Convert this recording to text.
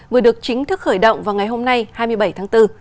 vừa được chính thức khởi động vào ngày hôm nay hai mươi bảy tháng bốn